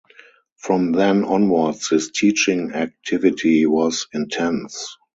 From then onwards his teaching activity was intense.